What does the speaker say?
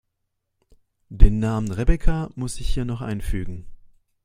Den Namen Rebecca muss ich hier noch einfügen.